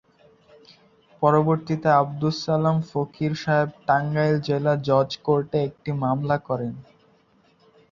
পরবর্তীতে আব্দুস সালাম ফকির সাহেব টাঙ্গাইল জেলা জজ কোর্টে একটি মামলা করেন।